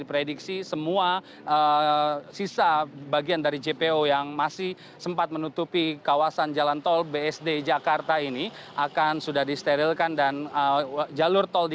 hal ini memang ada dua bagian berbeda dari jpo tersebut di mana pelanggan bsd bintaro harus menambah jumlah angkut beban sejumlah satu ratus enam puluh ton